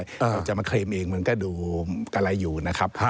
เราจะมาเคลมเองมันก็ดูกะไรอยู่นะครับ